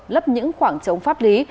lấp những khoảng chống pháp lý